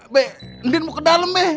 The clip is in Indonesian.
be ndin mau ke dalem be